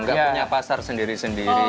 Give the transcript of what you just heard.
nggak punya pasar sendiri sendiri